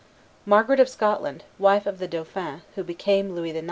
Margaret of Scotland, wife of the dauphin, who became Louis XI.